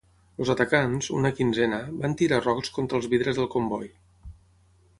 Els atacants —una quinzena— van tirar rocs contra els vidres del comboi.